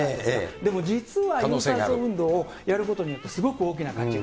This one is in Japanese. でも実は有酸素運動をやることによって、すごく大きな価値が。